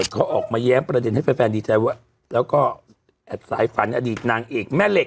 เขาออกมาแย้มประเด็นให้แฟนดีใจว่าแล้วก็แอบสายฝันอดีตนางเอกแม่เหล็ก